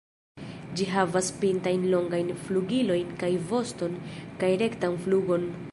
Ĝi havas pintajn longajn flugilojn kaj voston kaj rektan flugon.